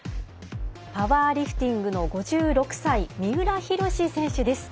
パワーリフティングの５６歳三浦浩選手です。